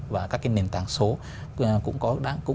và các nền tảng số